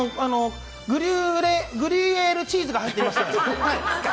グリュイエールチーズが入ってまして。